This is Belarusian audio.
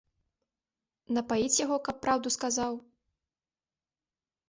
Напаіць яго, каб праўду сказаў?